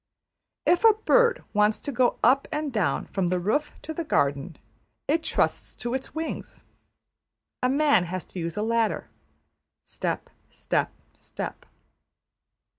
If a bird wants to go up and down from the roof to the garden, it trusts to its wings. A man has to use a ladder: step, step, step.